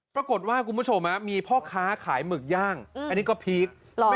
คุณผู้ชมมีพ่อค้าขายหมึกย่างอันนี้ก็พีค